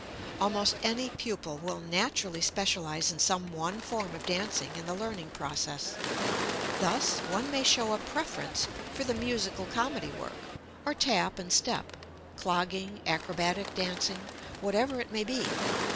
Almost any pupil will naturally specialize in some one form of dancing in the learning process. Thus one may show a preference for the musical comedy work, or tap and step, clogging, acrobatic dancing, whatever it may be.